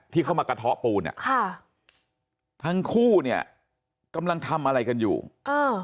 เข้ามากระเทาะปูนอ่ะค่ะทั้งคู่เนี้ยกำลังทำอะไรกันอยู่เออ